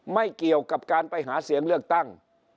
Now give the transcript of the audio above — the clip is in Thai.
ไม่เกี่ยวกับการไปหาเสียงเลือกตั้ง